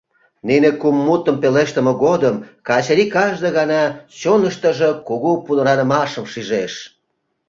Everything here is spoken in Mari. Нине кум мутым пелештыме годым Качырий кажне гана чоныштыжо кугу пудранымашым шижеш.